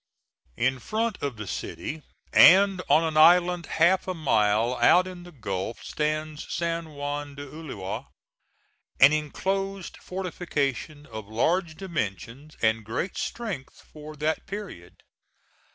In front of the city, and on an island half a mile out in the Gulf, stands San Juan de Ulloa, an enclosed fortification of large dimensions and great strength for that period.